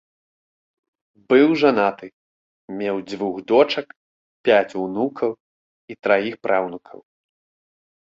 Быў жанаты, меў дзвюх дочак, пяць унукаў і траіх праўнукаў.